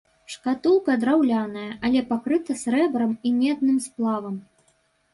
Шкатулка драўляная, але пакрыта срэбрам і медным сплавам.